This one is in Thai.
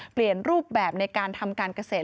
เปลี่ยนรูปแบบในการทำการเกษตร